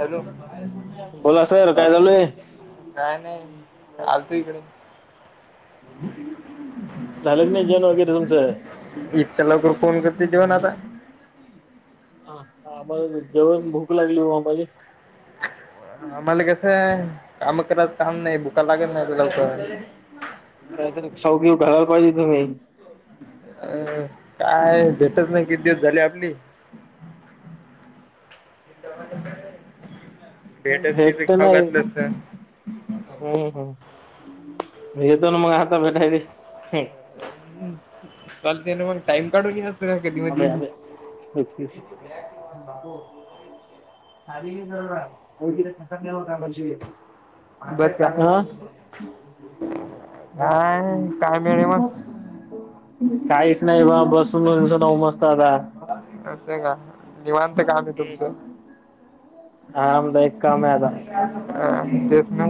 Hello बोला sir काय चालू आहे? काय नाही आलतो इकड झालं क नाही जेन वगैरे तुमचं इत त्या लवकर कोन करते जेवण आता हा आम्हा जेवण भूक लागली हो आमझ आम्हाला कसं आहे काम करायचं काम नाही बुका लागेत नाही लवक काहीतरी चौकी ठरायला पाहिजे तुम्ही अ काय भेटच नाही किती दिवस झाली आपली. [unintelligible] भेट असतील तर खाऊ घातलं असतं. हम् हम येतो ना मग आता भेटाय दिस. चालते मग टाइम काढून घ्या. [unintelligible] सारी नाही [unintelligible] [unintelligible] बस का काय काय मिळे मग काहीच नाही बा बस. [unintelligible] असं का निवांत कामये तुमचं. आरामदायक काम आहे आता [unintelligible] अ तेस ना.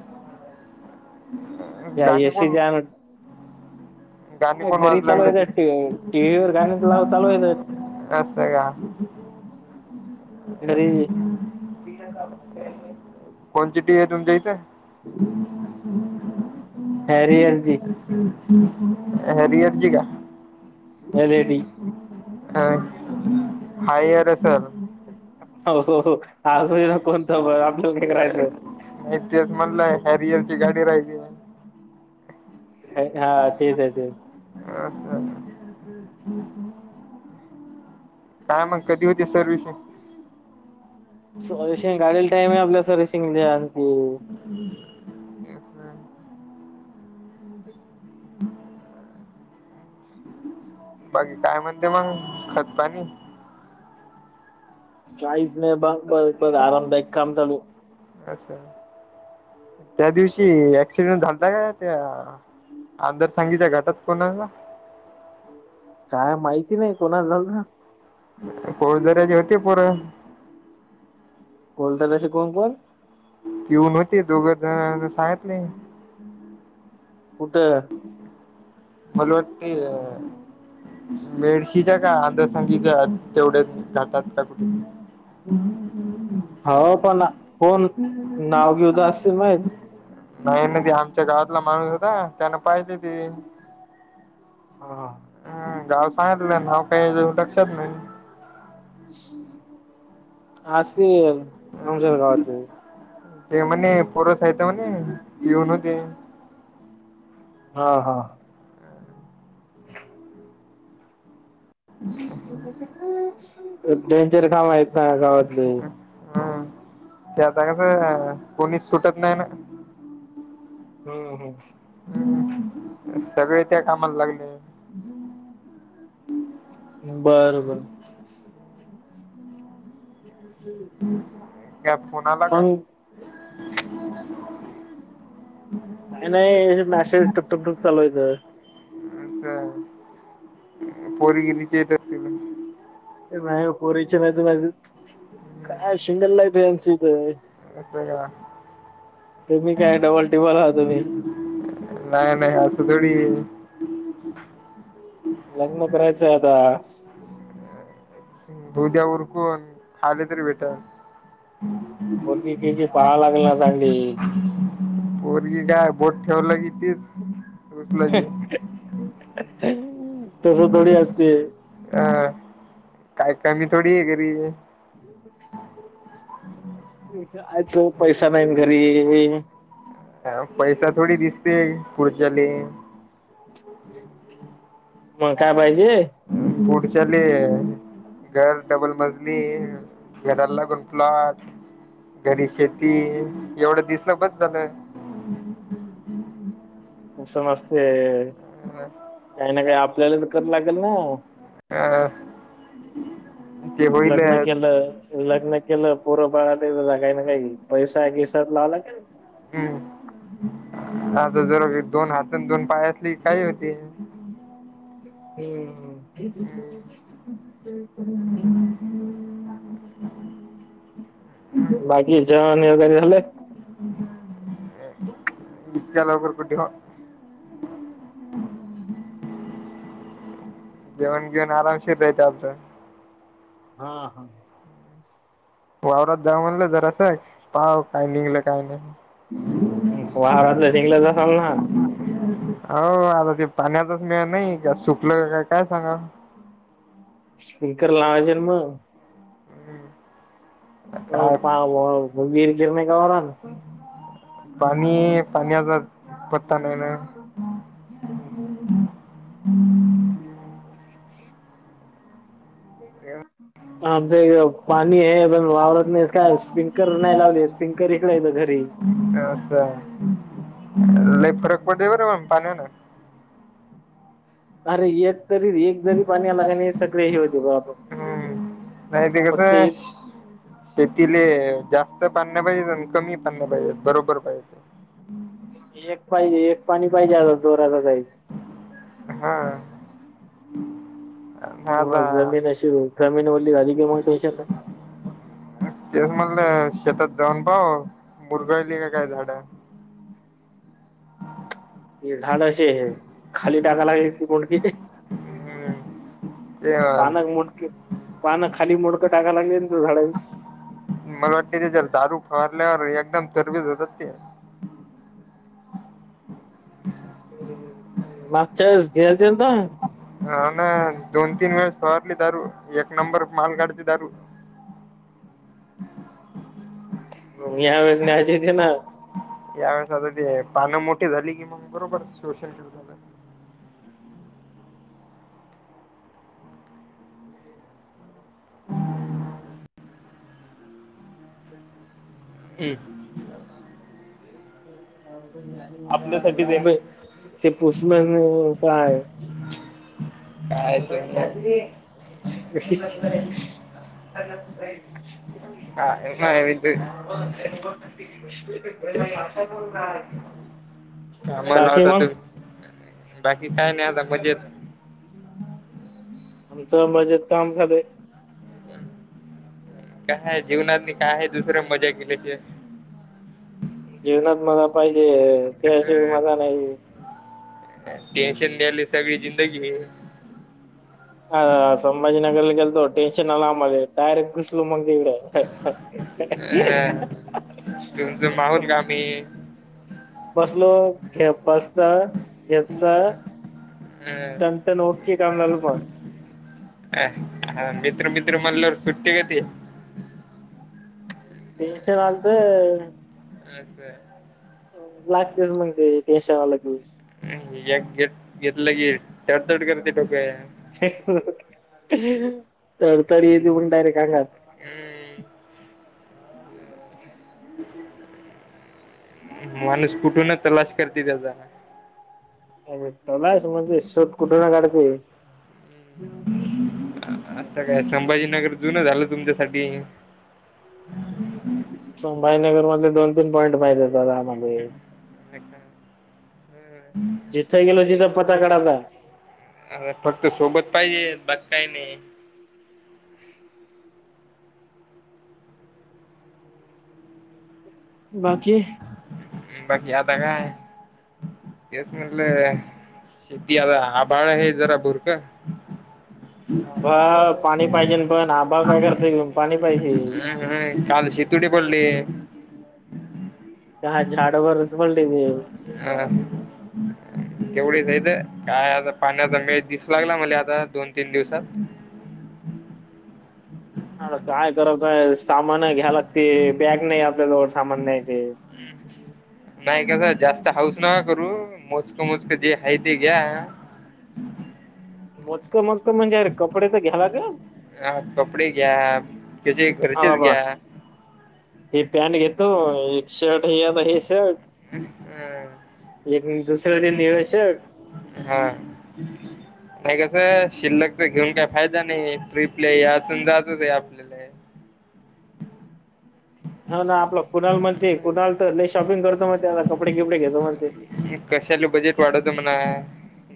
[inaudible] या येसी जाम. गाणी कोण घरी वाजू चालू लागले ती. येतात टीव्ही वर गाणी लाव चालू येतात अस का. घरी कोणची टी व्ही आहे तुमच्या इथ. हॅरियरची [unintelligible] हरिहरची का. एल ईडी ख हो हो हो आजून ना कोणतं ब आपल्यालं काय कराच. इथच म्हणला हॅरियरची गाडी राहियली. हां, तेच आहे ते. [unintelligible] काय मग कधी होती सर्व्हिसिंग. सर्विशिंग गाडीला टाईम आहे आपल्याला सर्विसिंगला आणकी. [unintelligible] बाकी काय म्हणते मग खतपाणी. काहीच नाही बघ बघ ब आरामदायक काम चालू. अच्छा त्या दिवशी असिसिडेन्ट झालता का त्या आदर सांगीच्या घटात कोणाचा. काय माहिती नाही कोणाला झाला. कोळ दऱ्यांची होते परं. कोलदऱ्याची कोण कोण. पिऊन होते दोघच जण सांगितले. कुठं? मला वाटते मेडशीच्या का अंधसंगीच्या तेवढ्या घाटात का कुठे. [unintelligible] हो पण कोण नाव घेऊ तर असतील माहीत. नाही ना ते आमच्या गावातला माणूस होता त्यांना पाहिजे ते. हा. हम्म गाव सांगितलं नाव काही लक्षात नाही. अस अ आमच्या गावातले. ते म्हणे पोर साहित म्हणे येऊन होते. हा हा. डेंजर गाव आहे त गावातले. हम्म त्या [unintelligible] कोणीच सुटत नाही ना. हम्म हम्म. सगळे त्या कामाला लागले. बर बरं. का फोन आला का? मग काही नाही मॅसेज टक टुक टुक चालूवायतं. अच्छा पगिरीचे ते बण नाही पोरीच्या मा मा काय शिंगल लाईफ आहेची इथ. असं का तम्ही काय डबल टिबल आ तुम्. नाही नाही अससं थोडी [unintelligible] लग्न करायचंय आता. दुध्या उरकून खाले तरी भेट. पोरगी गिरगी पाहा लागेल ना चांगली. [unintelligible] पोरगी काय बोट ठेवलं कीतीच. तस थोडी असते. अह काय कमी थोडी आहे गरी [unintelligible] यचो पैसा नाही घरी ह पैसा थोडी दिसते पुुढच्याले. मग काय पाहिजे? पुढच्याला. घर डबल मजली घरा लागूनफ्लाट घरी शेती. ती एवढं दिसलं बस झालं. समजते काही ना काही आपल्याला तर करा लागेल ना. ह. लग्न केल. लग्न केलं पोर बाळात काही ना काही पैसा केसात लावला क हम्म आता जरा दोन हातात दोन पाया असले काही होती. हम्म. [unintelligible] बाकीच्या जेवण वगैरे झालं? [unintelligible] जलावकरर कुठ हो जेवण घेऊन आरामशीर रायच आपलं. हा हा. वावरात जाऊ म्हणलं जरा असं आहे पाव काय निघलं काय नाही [unintelligible] वावरातलं निघलंच असाल ना हो आता ते पाण्याचाच मिेळ नाही का सुकलं का काय सांगा. स्पीकर लावायजेल मग. हो काय पाव वीर गिर नाही का हो ना. पाणी पाणीचा पत्ता नाही ना [unintelligible] [inaudible] [inaudible] आमच पाणी आहे पण वावरत नाही काय स्पिंकर नाही लावले स्पिंकर इकला येत घरी. अच्छा ल फरक पड प र म पाणी हो ना. अरे एक तरी एक जरी पाणी आला का सगळे हे होते बा फ हम्म. नाही ते फक्त कसं एक. शेतीले जास्त पाण्या पाहिजेत आणि कमी पाण्या पाहिजेत बरोबर पाहिजे. एक पाहिजे एक पाणी पाहिजे आता जोराला जायच. हा. पन्हा आता जमीन अशी जमीन रली झाली की म्हणतात [inaudible] तेच म्हटलं शेतात जाऊन पाव्ह मुरगळली का काय झाड ते झाड अशे हे खाली टाकाय लागेल कि बोंडखीचे [unintelligible] हम्म ते पानाक मोटके - पानां खाली मोडंक टाकायला लागले झाड [unintelligible] मला वाटते ते जर दारू फवारल्यावर एकदम तरबेज होतात ते मागच्या वेळेस [unintelligible] हा ना दोन तीन वेळेस फवारली दारू एक नंबर माल गाडती दारू हो या वेळेस न्याय जेधेना [unintelligible] यावेेळेस आता ते पानं मोठी झाली कि मग बरोबर शोषण झालं [unintelligible] ह [inaudible] आपल्यासाठी देईन [unintelligible] ते पुषणार नाही पाय [unintelligible] [inaudible] पफदडड [unintelligible] काय ते नाही काय नाही ते काम [unintelligible] बाकी लावता मग तुम्ही बाकी काय नाही आता मज्जेत ह [inaudible] आमचं मजेत काम चालूये कायहाय जीवनातनी काय हाय दुसर मजा केल्याशिवाय जीवनात मला पाहिजे त्याशिवाय मजा नाही टेन्शन द्याले सगळी जिंदगी रे ह संभाजीनगर ल गेलतो टेन्शन आला आम्हाले डारेक्ट घुसलो मग तिकडे ह तुमच [inaudible] माहोल कामी [inaudible] बसलो खे बचता घेतता [unintelligible] अ संत नोके काम लाल म [unintelligible] अ मित्र मित्र मटल्यावर सुट्टी देती टेन्शन आलत अस [inaudible] लागतच मी ते टेन्शन आलं की एक घेत- घेतलं की तडतड करते डोक [inaudible] [inaudible] तरतरी ये देऊन डायरेक्ट आंगात हम्म [inaudible] माणूस कुठून तलाश करते त्याचा अ तलाश म्हणजे शोध कुठे ना काढते [unintelligible] [inaudible] आता काय संभाजीनगर जुन झालं तुमच्यासाठी संभाजीनगर मधले दोन तीन पॉइंट माहितेय बघा आम्हाले [inaudible] [unintelligible] जिथ गेलो जिथ [unintelligible] अर फक्त सोबत पाहिजे बघ काही नाही बाकी [inaudible] बाकी आता काय तेच म्हटल शे कि आता आभाळ आहे जरा भुरकं [inaudible] [unintelligible] [inaudible] आबा पाणी पाहिजे पण आबा काय करते घेऊन पाणी पाहिजे. हं काल शीतुडे पडले [inaudible] त्या झाडवरच म्हणले मी [unintelligible] हा [inaudible] [inaudible] तेवढीच हायत काय आता पाण्याचा मेळ दिसू लागला मला आता दोन तीन दिवसात ह काय करत आहे सामान घ्यायला लाग ते बॅग नाही आपल्याजवळ सामान न्यायचे ह [inaudible] नाही कास जास्त हाऊस [inaudible] नका करू मोजकं -मोजकं जे हाय ते घ्या मोजकं- मोजकं म्हणजे अरे कपडे तर घ्यालागल हा कपडे घ्या त्याचे घरचेच बाबा घ्या [inaudible] हे पॅट घेतो एक शर्ट हे आता हे शर्ट अ एक दुसऱ्या ते निळ शर्ट हा नाही कसं शिल्लक च घेऊन काय फायदा नाहीये ट्रीपला याआच आणि जाआचचं ये आप [unintelligible] हा ना आपला कुणाल म्हणते कुणाल तर लय शॉपिंग करतो म ते आता कपडे किपडे घेतो म्हणते. एक कशाला बजेट वाढवतो मणा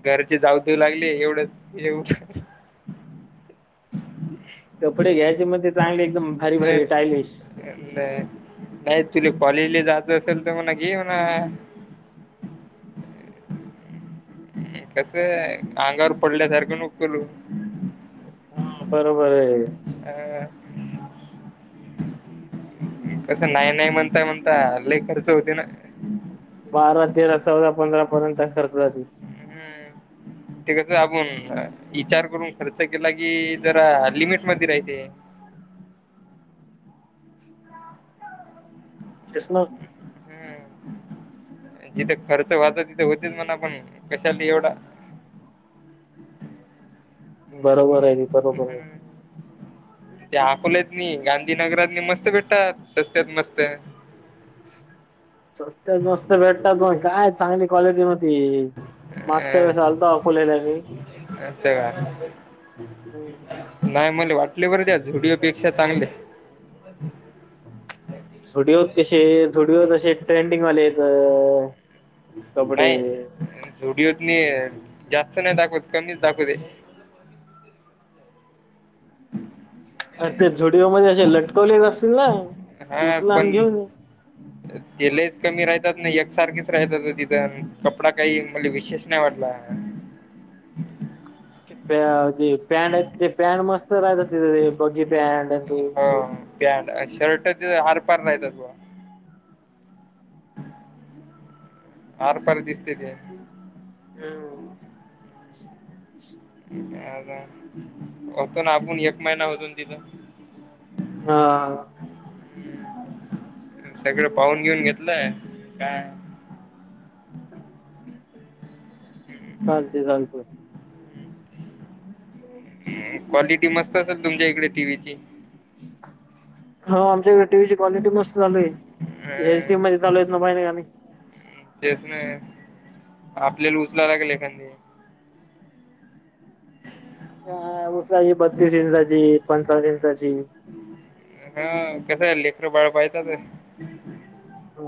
घरचे जाऊ देऊ लागले एवढंच येव कपडे घ्यायच्या म चांगले एकदम भारी भारी टायलिश ना नाय तुले कॉलेजले जायचं असेल तर म्हणा घे म्हणा. हम् कसय अंगावर पडल्यासारखं नको करू हा बरोबर ये. काय कसं नाय नाय म्हणता म्हणता लय खर्च होते ना बारा तेरा चौदा पंधरा पर्यंत खर्च जाती हम् ते कस आपण इचार करून खर्च केला की जरा लिमिट मध्ये रायते. [unintelligible] हम्म [unintelligible] जिथे खर्च व्हायचा तिथे होतेच म्हणा पण कशाला एवढा बरोबर हाय की खरोखर त्या अकोल्यात नी गांधीनगरात नी मस्त भेटतात सस्त्यात मस्त स्वसस्त्यात मस्त भेटतात मग काय चांगली क्वालिटी मती अ मागच्या वेळेस आलतो आकोल्याला मी असं का नाय मला वाटले बरं त्या झुडीओ पेक्षा चांगले. झुडिओत कसे झुडिओत असे ट्रेंडिंगवाले येत नाही झुडिओत मी जास्त नाही दाखवत कमीच दाखवते. सध्या झुडिओमध्ये असे लटकवले चं असतील ना हा उचल आणि घेऊन पण ये. [unintelligible] ते लेस कमी रायतात ना एकसारखेच राहतात ओ तिथं कपडा काही मला विशेष नाही वाटला. ते पॅन्ड हाहीत ते पॅन्ड मस्त राहता तिथ बगी पॅन्ट आणि ते पॅट शर्टच तिद आर पार नाहीेत हायत बुआ आरपार दिसते त्या अम्म आ का हो पण आपण एक महिना होतो तिथं हा सगळं पाहून घेऊन घेतलंय काय चालते चालत [unintelligible] क्वालिटी मस्त असेल तुमच्या इकडे टीव्हीची हो आमच्या इकडे टीव्ही ची क्वालिटी मस्त, चालू ये एचडी मध्ये चालूय ना पाहि नाय आणि- हं तेच ना आपल्याला उचलायला लागणं एखांदी अ उचलायची बत्तीस इंचाची पंच्चावन इंचाची हा कसं आहे लेकरं बाळ पायतात.